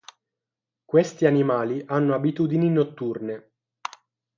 Questi animali hanno abitudini notturne.